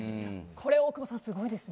これ、大久保さんすごいですね。